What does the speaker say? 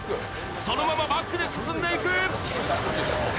そのままバックで進んでいく！